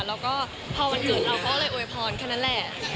แล้วก็พอวันเกิดเราก็เลยโวยพรแค่นั้นแหละ